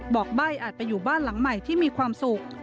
ใบ้อาจไปอยู่บ้านหลังใหม่ที่มีความสุข